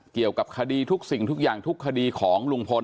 เกี่ยวกับคดีทุกสิ่งทุกอย่างทุกคดีของลุงพล